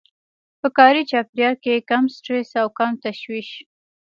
په کاري چاپېريال کې کم سټرس او کم تشويش.